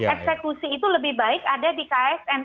eksekusi itu lebih baik ada di ksn